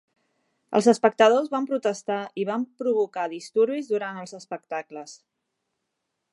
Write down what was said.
Els espectadors van protestar i van provocar disturbis durant els espectacles.